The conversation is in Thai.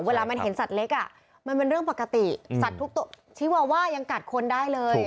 เวลามันเห็นสัตว์เล็กอ่ะมันเป็นเรื่องปกติสัตว์ทุกชีวาว่ายังกัดคนได้เลย